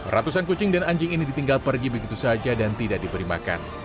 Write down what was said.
ratusan kucing dan anjing ini ditinggal pergi begitu saja dan tidak diberi makan